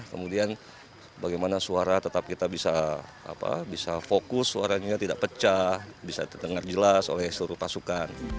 kemudian bagaimana suara tetap kita bisa fokus suaranya tidak pecah bisa terdengar jelas oleh seluruh pasukan